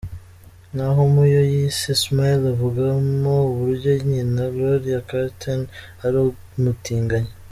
Naho mu yo yise ‘Smile’ avugamo uburyo nyina Gloria Carter ari umutinganyi.